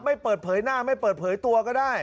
ไม่เปิดเผยหน้าไม่เปิดเผยตัวก็ได้